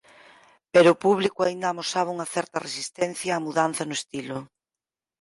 Pero o público aínda amosaba unha certa resistencia á mudanza no estilo.